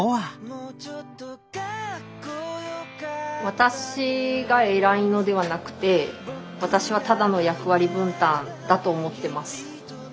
私が偉いのではなくて私はただの役割分担だと思ってます。